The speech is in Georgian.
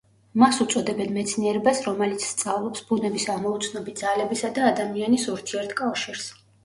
მას უწოდებენ მეცნიერებას რომელიც სწავლობს ბუნების ამოუცნობი ძალებისა და ადამიანის ურთიერთკავშირს.